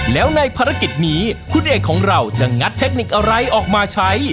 แล้วในภารกิจนี้คุณเอกของเราจะงัดเทคนิคอะไรออกมาใช้